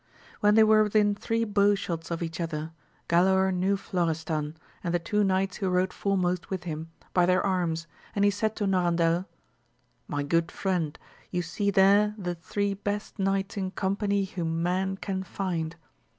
When they were within three bow shots of each other, Galaor knew Florestan and the two knights who rode foremost with him by their arms, and he said to Norandel, my good friend, you see there the three best knights in company whom man can find.